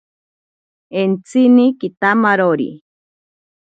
Entsini kitamarori.